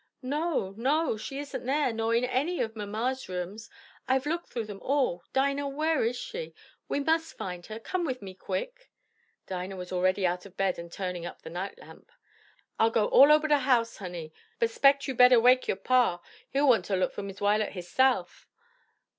"No, no, she isn't there, nor in any of mamma's rooms. I've looked through them all. Dinah where is she? We must find her: come with me, quick!" Dinah was already out of bed and turning up the night lamp. "I'll go all ober de house, honey," she said, "but 'spect you better wake yo' pa. He'll want to look for Miss Wi'let hisself."